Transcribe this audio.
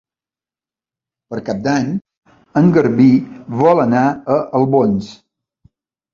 Per Cap d'Any en Garbí vol anar a Albons.